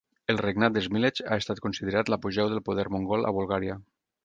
El regnat de Smilets ha estat considerat l'apogeu del poder mongol a Bulgària.